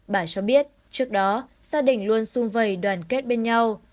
bà cho biết trước đó gia đình luôn xung vầy đoàn kết bên nhau